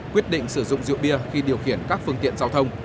quyết định sử dụng rượu bia khi điều khiển các phương tiện giao thông